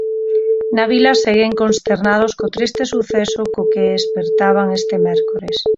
Na vila seguen consternados co triste suceso co que espertaban este mércores.